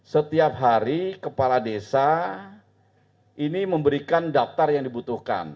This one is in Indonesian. setiap hari kepala desa ini memberikan daftar yang dibutuhkan